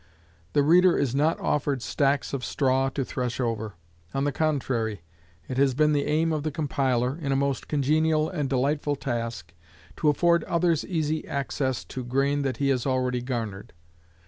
The reader is not offered stacks of straw to thresh over; on the contrary, it has been the aim of the compiler, in a most congenial and delightful task, to afford others easy access to grain that he has already garnered.